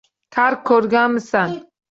Kar ko’rmisan